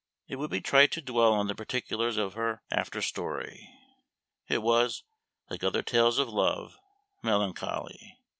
It would be trite to dwell on the particulars of her after story. It was, like other tales of love, melancholy.